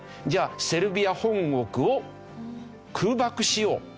じゃあセルビア本国を空爆しよう。